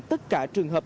tất cả trường hợp